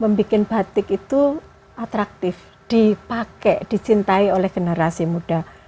membuat batik itu atraktif dipakai dicintai oleh generasi muda